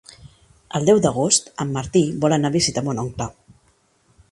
El deu d'agost en Martí vol anar a visitar mon oncle.